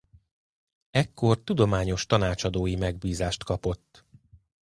Ekkor tudományos tanácsadói megbízást kapott.